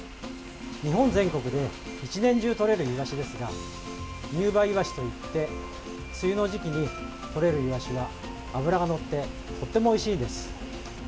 日本全国で一年中取れるイワシですが入梅イワシといって梅雨の時期にとれるイワシは脂がのってとってもおいしいです。